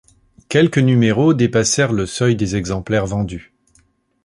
Quelques numéros dépassèrent le seuil des exemplaires vendus.